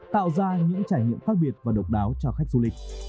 tạo ra những trải nghiệm khác biệt và độc đáo cho khách du lịch